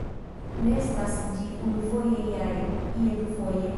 Nestas ĝi unufoje jare, ie dufoje.